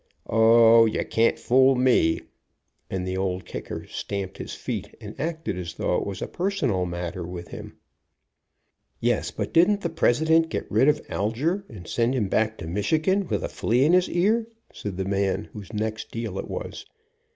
O, you can't fool me," and the Old Kicker stamped his 96 DREYFUS AND EMBALM LD BEEF feet, and acted as though it was a personal matter with him. "Yes, but didn't the President get rid of Alger, and send him back to Michigan with a flea in his ear?" said the man whose next deal it was.